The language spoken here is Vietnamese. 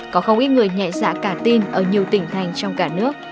có không ít người nhạy giả cả tin ở nhiều tỉnh thành trong cả nước